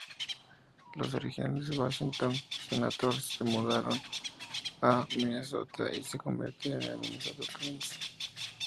Los originales Washington Senators se mudaron a Minnesota y se convirtieron en Minnesota Twins.